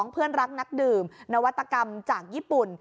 เพื่อนรักนักดื่มนวัตกรรมจากญี่ปุ่น